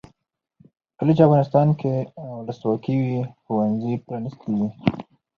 کله چې افغانستان کې ولسواکي وي ښوونځي پرانیستي وي.